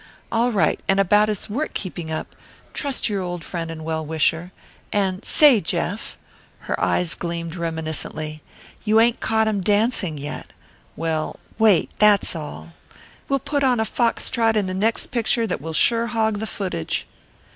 "All right! And about his work keeping up trust your old friend and well wisher. And say, Jeff " Her eyes gleamed reminiscently. "You ain't caught him dancing yet. Well wait, that's all. We'll put on a fox trot in the next picture that will sure hog the footage."